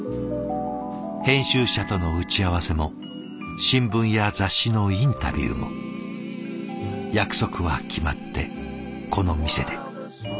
編集者との打ち合わせも新聞や雑誌のインタビューも約束は決まってこの店で。